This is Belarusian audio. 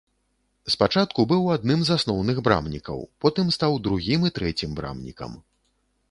Спачатку быў адным з асноўных брамнікаў, потым стаў другім і трэцім брамнікам.